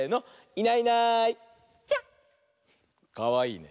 かわいいね。